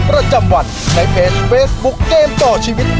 ประจำวันในเพจเฟซบุ๊คเกมต่อชีวิต